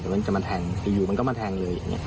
แต่มันจะมาแทงอยู่มันก็มาแทงเลย